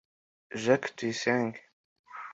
Jacques Tuyisenge(C)